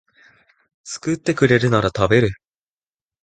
作ってくれるなら食べる